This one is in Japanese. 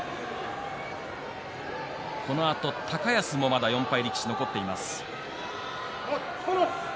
このあと高安もまだ４敗力士で残っています。